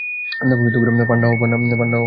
পান্ডা হও বা না-ই হও।